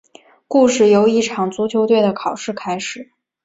故事由一场足球队的考试开始。